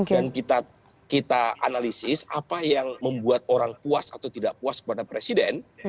dan kita analisis apa yang membuat orang puas atau tidak puas kepada presiden